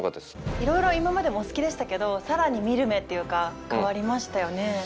いろいろ今までもお好きでしたけど更に見る目っていうか変わりましたよね。